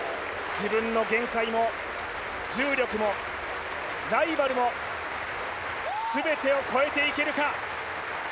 自分の限界も重力もライバルも全てを超えていけるか。